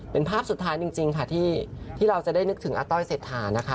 เป็นภาพสุดท้ายจริงค่ะที่เราจะได้นึกถึงอาต้อยเศรษฐานะคะ